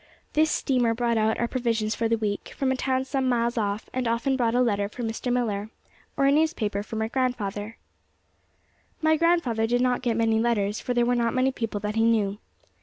This steamer brought our provisions for the week, from a town some miles off, and often brought a letter for Mr. Millar, or a newspaper for my grandfather. My grandfather did not get many letters, for there were not many people that he knew.